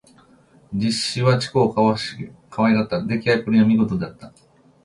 実資は千古をかわいがった。できあいっぷりは見事であった。